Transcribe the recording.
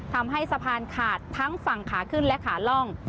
ทำให้สะพานขาดทั้งฝั่งขาขึ้นและขาล่อง